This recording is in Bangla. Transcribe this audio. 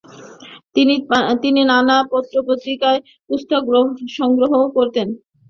তিনি নানা পত্রপত্রিকা, পুস্তক সংগ্রহ করতেন।